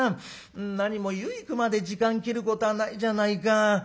何も湯行くまで時間切ることはないじゃないか。